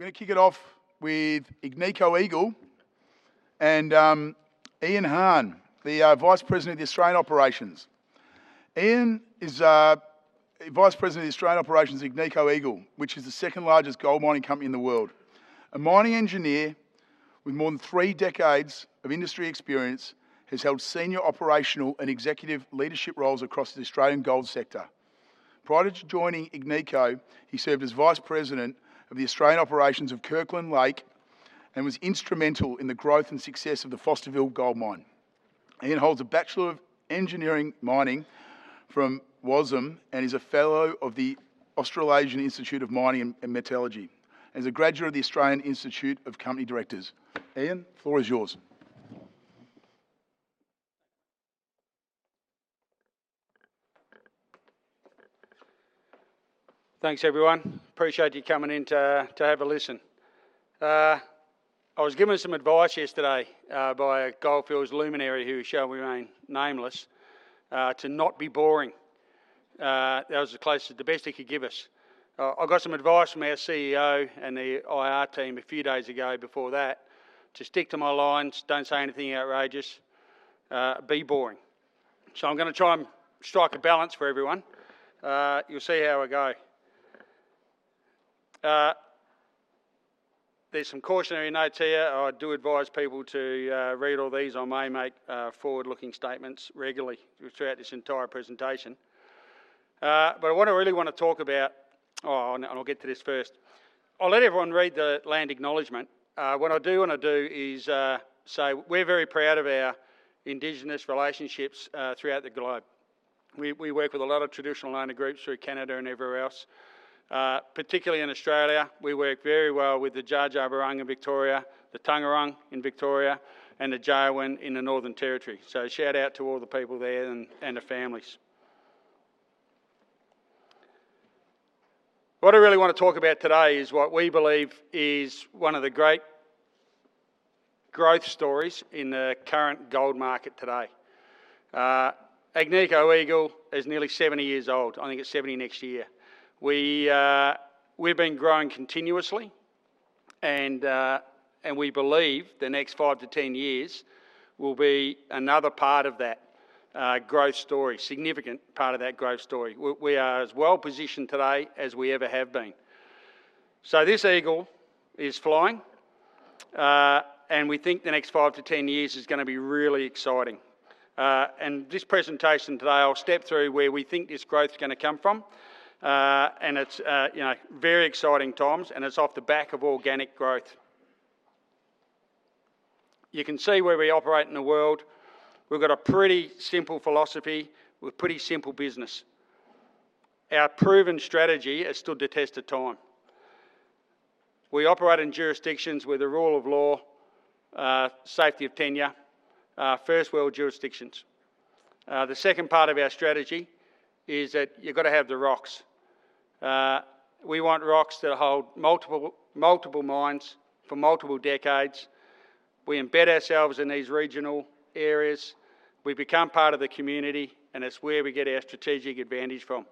We're going to kick it off with Agnico Eagle and Ion Hann, the Vice President of the Australian Operations. Ion is Vice President of the Australian Operations of Agnico Eagle, which is the second-largest gold mining company in the world. A mining engineer with more than three decades of industry experience, he's held senior operational and executive leadership roles across the Australian gold sector. Prior to joining Agnico, he served as Vice President of the Australian Operations of Kirkland Lake and was instrumental in the growth and success of the Fosterville Gold Mine. Ion holds a Bachelor of Engineering, Mining from WASM and is a fellow of the Australasian Institute of Mining and Metallurgy, and is a graduate of the Australian Institute of Company Directors. Ion, floor is yours. Thanks, everyone. Appreciate you coming in to have a listen. I was given some advice yesterday by a Gold Fields luminary, who shall remain nameless, to not be boring. That was the best he could give us. I got some advice from our CEO and the IR team a few days ago before that to stick to my lines, don't say anything outrageous, be boring. I'm going to try and strike a balance for everyone. You'll see how I go. There's some cautionary notes here. I do advise people to read all these. I may make forward-looking statements regularly throughout this entire presentation. What I really want to talk about Oh, and I'll get to this first. I'll let everyone read the land acknowledgement. What I do want to do is say we're very proud of our indigenous relationships throughout the globe. We work with a lot of traditional owner groups through Canada and everywhere else. Particularly in Australia, we work very well with the Dja Dja Wurrung in Victoria, the Taungurung in Victoria, and the Jawoyn in the Northern Territory. Shout-out to all the people there and their families. What I really want to talk about today is what we believe is one of the great growth stories in the current gold market today. Agnico Eagle is nearly 70 years old. I think it's 70 next year. We've been growing continuously, and we believe the next 5-10 years will be another part of that growth story, significant part of that growth story. We are as well-positioned today as we ever have been. This eagle is flying, and we think the next 5-10 years is going to be really exciting. This presentation today, I'll step through where we think this growth's going to come from, and it's very exciting times, and it's off the back of organic growth. You can see where we operate in the world. We've got a pretty simple philosophy with pretty simple business. Our proven strategy has stood the test of time. We operate in jurisdictions with the rule of law, safety of tenure, first-world jurisdictions. The second part of our strategy is that you've got to have the rocks. We want rocks that'll hold multiple mines for multiple decades. We embed ourselves in these regional areas. We become part of the community, and it's where we get our strategic advantage from.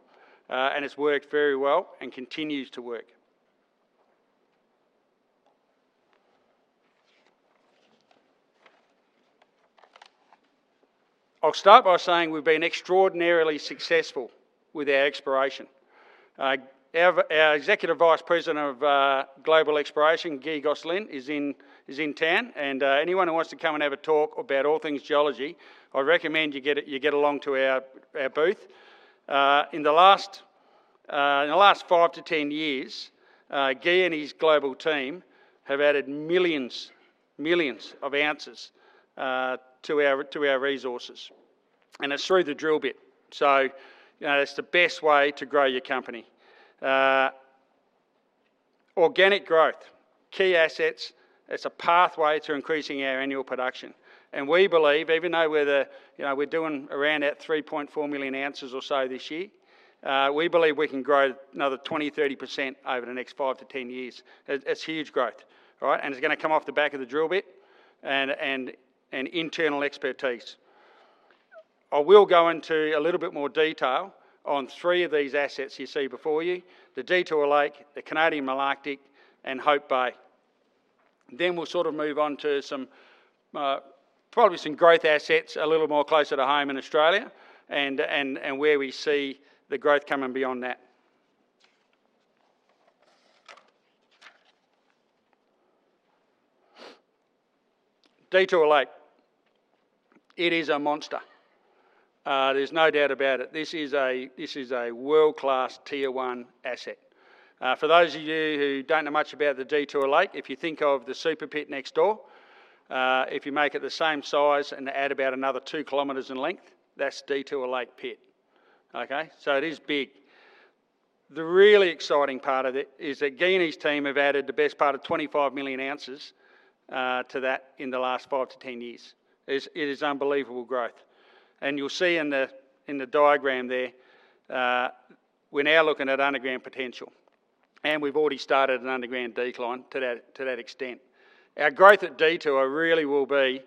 It's worked very well and continues to work. I'll start by saying we've been extraordinarily successful with our exploration. Our Executive Vice President of Global Exploration, Guy Gosselin, is in town. Anyone who wants to come and have a talk about all things geology, I recommend you get along to our booth. In the last 5-10 years, Guy and his global team have added millions of ounces to our resources, and it's through the drill bit. It's the best way to grow your company. Organic growth, key assets, it's a pathway to increasing our annual production. We believe, even though we're doing around that 3.4 million ounces or so this year, we believe we can grow another 20%-30% over the next 5-10 years. It's huge growth, all right. It's going to come off the back of the drill bit and internal expertise. I will go into a little bit more detail on three of these assets you see before you, the Detour Lake, the Canadian Malartic, and Hope Bay. We'll sort of move on to probably some growth assets a little more closer to home in Australia and where we see the growth coming beyond that. Detour Lake. It is a monster. There's no doubt about it. This is a world-class tier 1 asset. For those of you who don't know much about the Detour Lake, if you think of the super pit next door, if you make it the same size and add about another 2 km in length, that's Detour Lake pit, okay? It is big. The really exciting part of it is that Guy and his team have added the best part of 25 million ounces to that in the last 5-10 years. It is unbelievable growth. You'll see in the diagram there, we're now looking at underground potential, and we've already started an underground decline to that extent. Our growth at Detour really will be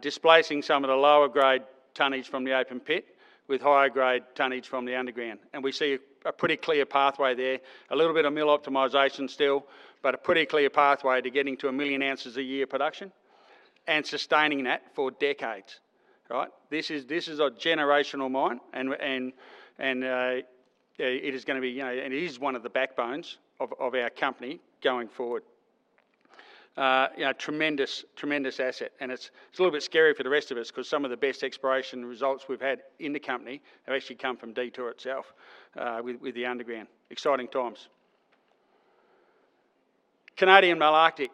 displacing some of the lower grade tonnage from the open pit with higher grade tonnage from the underground. We see a pretty clear pathway there. A little bit of mill optimization still, but a pretty clear pathway to getting to a million ounces a year production and sustaining that for decades. Right. This is a generational mine, and it is one of the backbones of our company going forward. A tremendous asset, and it's a little bit scary for the rest of us because some of the best exploration results we've had in the company have actually come from Detour itself with the underground. Exciting times. Canadian Malartic,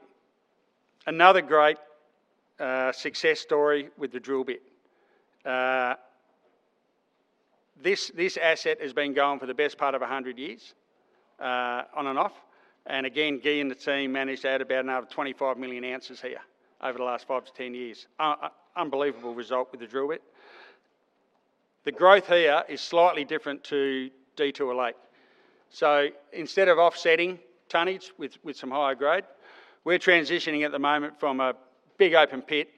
another great success story with the drill bit. This asset has been going for the best part of 100 years, on and off. Again, Guy and the team managed to add about another 25 million ounces here over the last 5-10 years. Unbelievable result with the drill bit. The growth here is slightly different to Detour Lake. Instead of offsetting tonnage with some higher grade, we're transitioning at the moment from a big open pit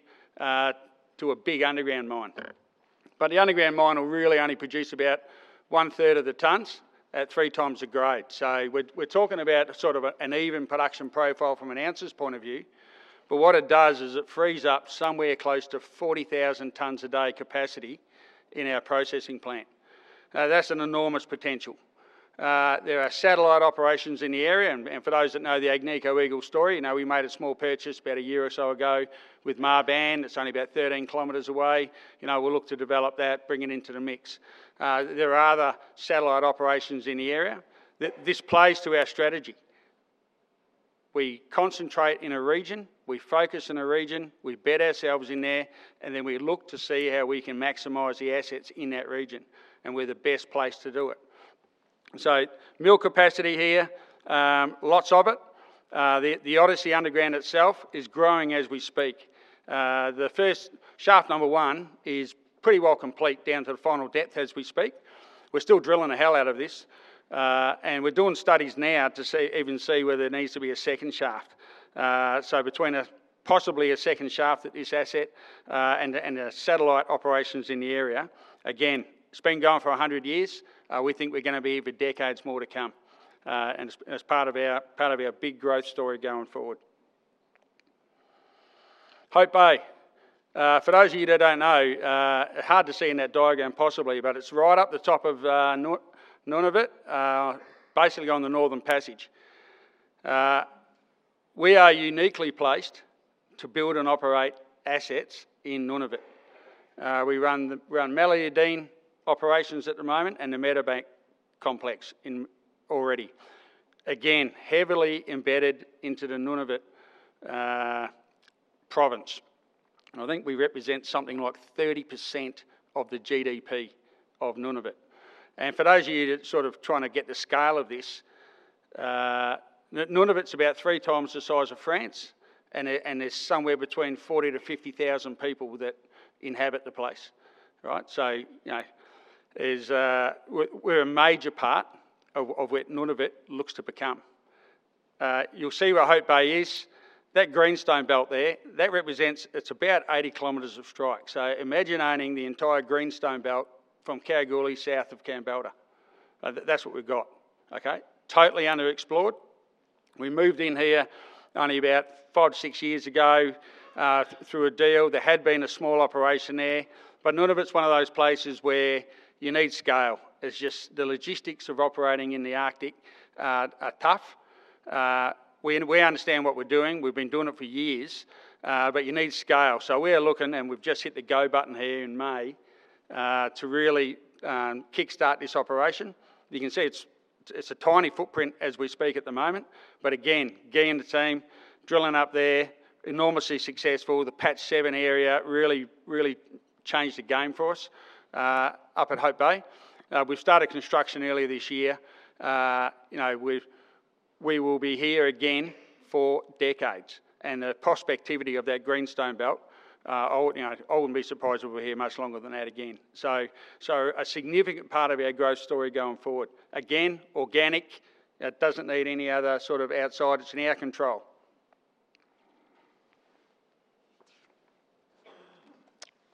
to a big underground mine. The underground mine will really only produce about one third of the tons at three times the grade. We're talking about sort of an even production profile from an ounces point of view. What it does is it frees up somewhere close to 40,000 tons a day capacity in our processing plant. Now, that's an enormous potential. There are satellite operations in the area, and for those that know the Agnico Eagle story, you know we made a small purchase about a year or so ago with Marban. It's only about 13 km away. We'll look to develop that, bring it into the mix. There are other satellite operations in the area. This plays to our strategy. We concentrate in a region, we focus in a region, we bet ourselves in there, and then we look to see how we can maximize the assets in that region, and we're the best place to do it. Mill capacity here, lots of it. The Odyssey underground itself is growing as we speak. Shaft number one is pretty well complete down to the final depth as we speak. We're still drilling the hell out of this. We're doing studies now to even see whether there needs to be a second shaft. So between possibly a second shaft at this asset and the satellite operations in the area, again, it's been going for 100 years. We think we're going to be here for decades more to come, and as part of our big growth story going forward. Hope Bay. For those of you that don't know, hard to see in that diagram possibly, but it's right up the top of Nunavut, basically on the northern passage. We are uniquely placed to build and operate assets in Nunavut. We run Meliadine operations at the moment and the Meadowbank complex already. Again, heavily embedded into the Nunavut province. And I think we represent something like 30% of the GDP of Nunavut. For those of you that sort of trying to get the scale of this, Nunavut's about three times the size of France, and there's somewhere between 40,000-50,000 people that inhabit the place. Right? We're a major part of what Nunavut looks to become. You'll see where Hope Bay is. That greenstone belt there, that represents, it's about 80 km of strike. So imagine owning the entire greenstone belt from Kalgoorlie south of Kambalda. That's what we've got. Okay? Totally underexplored. We moved in here only about 5 to 6 years ago through a deal. There had been a small operation there. But Nunavut's one of those places where you need scale. It's just the logistics of operating in the Arctic are tough. We understand what we're doing. We've been doing it for years. But you need scale. We're looking, and we've just hit the go button here in May, to really kickstart this operation. You can see it's a tiny footprint as we speak at the moment. But again, Guy and the team drilling up there, enormously successful. The Patch 7 area really, really changed the game for us up at Hope Bay. We've started construction earlier this year. We will be here again for decades. And the prospectivity of that greenstone belt, I wouldn't be surprised if we're here much longer than that again. So, a significant part of our growth story going forward. Organic. It doesn't need any other sort of outside. It's in our control.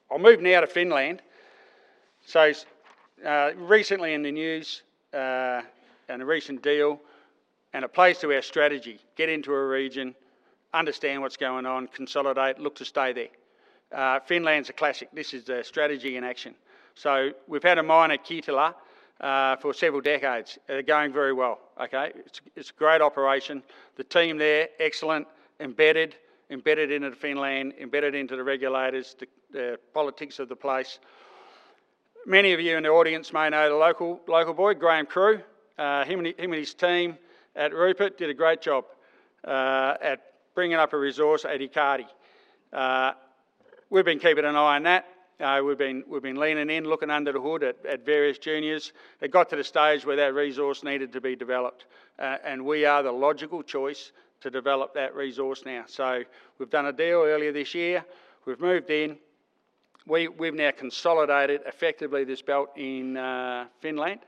I'll move now to Finland. Recently in the news, in a recent deal and it plays to our strategy, get into a region, understand what's going on, consolidate, look to stay there. Finland's a classic. This is the strategy in action. We've had a mine at Kittilä for several decades. It is going very well. Okay. It's a great operation. The team there, excellent, embedded into Finland, embedded into the regulators, the politics of the place. Many of you in the audience may know the local boy, Graham Crew. Him and his team at Rupert did a great job at bringing up a resource at Ikkari. We've been keeping an eye on that. We've been leaning in, looking under the hood at various juniors. It got to the stage where that resource needed to be developed. We are the logical choice to develop that resource now. We've done a deal earlier this year. We've moved in. We've now consolidated, effectively, this belt in Finland.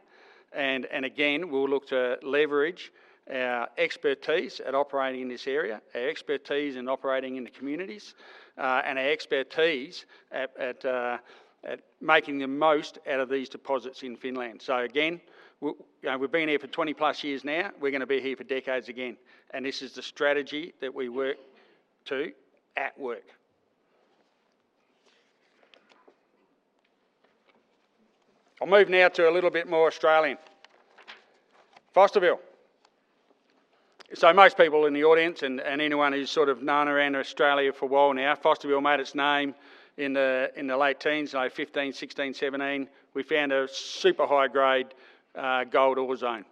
Again, we'll look to leverage our expertise at operating in this area, our expertise in operating in the communities, and our expertise at making the most out of these deposits in Finland. Again, we've been here for 20+ years now. We're going to be here for decades again. This is the strategy that we work to at work. I'll move now to a little bit more Australian. Fosterville. Most people in the audience and anyone who's sort of known around Australia for a while now, Fosterville made its name in the late teens, like 2015, 2016, 2017. We found a super high-grade gold ore zone.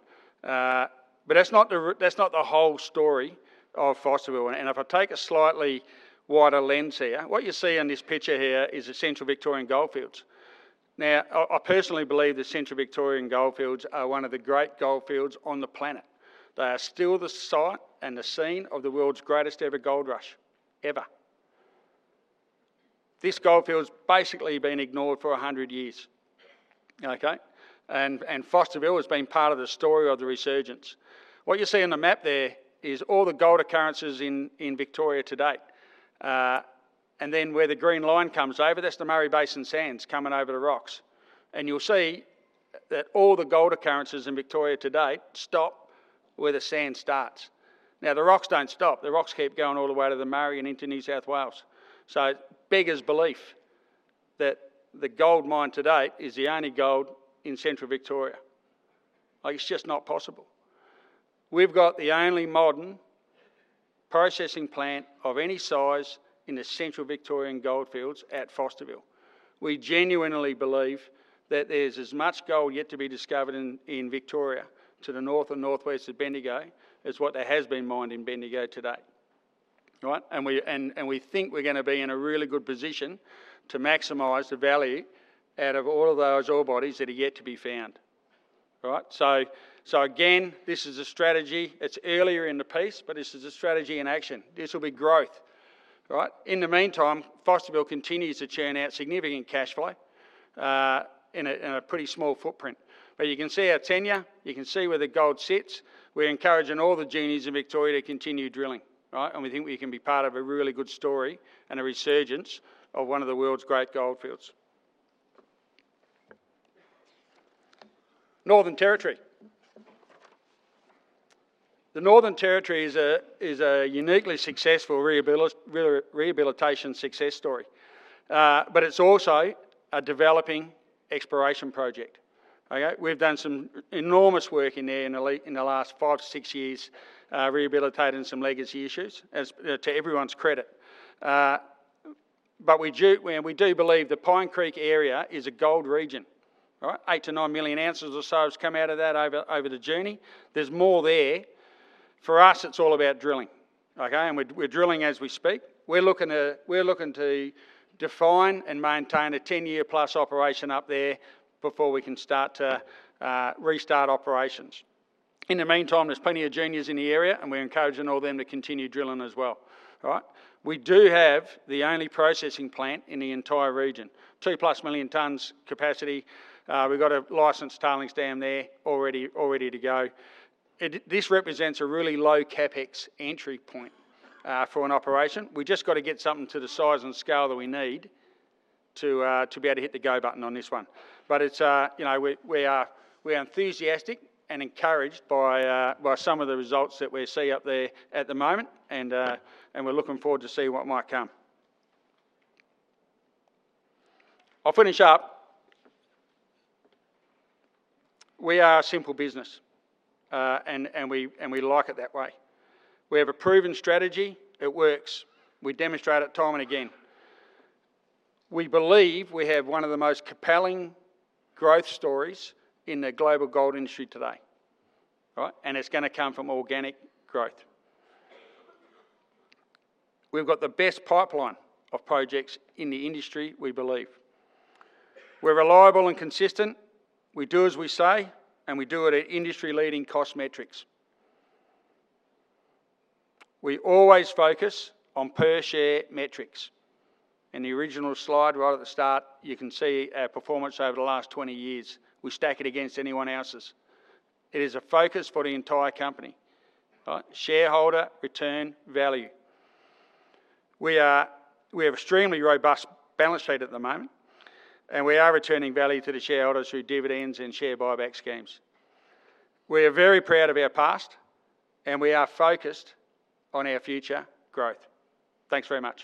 That's not the whole story of Fosterville. If I take a slightly wider lens here, what you see in this picture here is the Central Victorian Goldfields. I personally believe the Central Victorian Goldfields are one of the great goldfields on the planet. They are still the site and the scene of the world's greatest ever gold rush ever. This goldfield's basically been ignored for 100 years. Okay. Fosterville has been part of the story of the resurgence. What you see on the map there is all the gold occurrences in Victoria to date. Then where the green line comes over, that's the Murray Basin sands coming over the rocks. You'll see that all the gold occurrences in Victoria to date stop where the sand starts. The rocks don't stop. The rocks keep going all the way to the Murray and into New South Wales. It's beggars' belief that the gold mined to date is the only gold in Central Victoria. It's just not possible. We've got the only modern processing plant of any size in the Central Victorian Goldfields at Fosterville. We genuinely believe that there's as much gold yet to be discovered in Victoria to the north and northwest of Bendigo as what there has been mined in Bendigo to date. Right. We think we're going to be in a really good position to maximize the value out of all of those ore bodies that are yet to be found. All right. Again, this is a strategy. It's earlier in the piece. This is a strategy in action. This will be growth. All right. In the meantime, Fosterville continues to churn out significant cash flow in a pretty small footprint. You can see our tenure. You can see where the gold sits. We're encouraging all the genies in Victoria to continue drilling. Right. We think we can be part of a really good story and a resurgence of one of the world's great goldfields. Northern Territory. The Northern Territory is a uniquely successful rehabilitation success story. It's also a developing exploration project. Okay? We've done some enormous work in there in the last five to six years, rehabilitating some legacy issues, to everyone's credit. We do believe the Pine Creek area is a gold region. All right? 8 million-9 million ounces or so has come out of that over the journey. There's more there. For us, it's all about drilling. Okay? We're drilling as we speak. We're looking to define and maintain a 10+ year- operation up there before we can start to restart operations. In the meantime, there's plenty of juniors in the area, and we're encouraging all them to continue drilling as well. All right? We do have the only processing plant in the entire region. 2-plus million tons capacity. We've got a licensed tailings dam there, all ready to go. This represents a really low CapEx entry point for an operation. We've just got to get something to the size and scale that we need to be able to hit the go button on this one. We are enthusiastic and encouraged by some of the results that we see up there at the moment, and we're looking forward to see what might come. I'll finish up. We are a simple business. We like it that way. We have a proven strategy. It works. We demonstrate it time and again. We believe we have one of the most compelling growth stories in the global gold industry today. All right? It's going to come from organic growth. We've got the best pipeline of projects in the industry, we believe. We're reliable and consistent. We do as we say, and we do it at industry-leading cost metrics. We always focus on per-share metrics. In the original slide right at the start, you can see our performance over the last 20 years. We stack it against anyone else's. It is a focus for the entire company. All right? Shareholder return value. We have extremely robust balance sheet at the moment, and we are returning value to the shareholders through dividends and share buyback schemes. We are very proud of our past, and we are focused on our future growth. Thanks very much